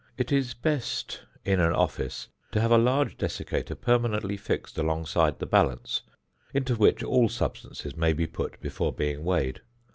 It is best, in an office, to have a large desiccator permanently fixed alongside the balance, into which all substances may be put before being weighed.